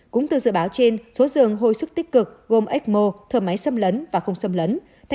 cũng từ dự báo trên số giường hồi sức tích cực gồm ecmo thở máy xâm lấn và không xâm lấn